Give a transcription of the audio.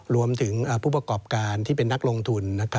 ผู้ประกอบการที่เป็นนักลงทุน